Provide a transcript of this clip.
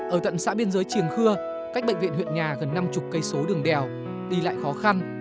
ở tận xã biên giới triềng khưa cách bệnh viện huyện nhà gần năm mươi km đường đèo đi lại khó khăn